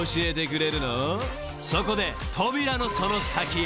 ［そこで扉のその先へ］